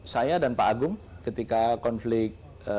saya dan pak agung ketika konflik